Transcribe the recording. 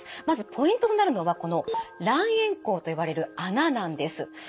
まずポイントとなるのがこの卵円孔と呼ばれる孔なんです。